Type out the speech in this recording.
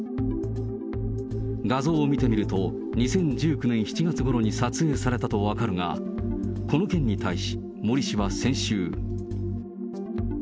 画像を見てみると、２０１９年７月ごろに撮影されたと分かるが、この件に対し、森氏は先週。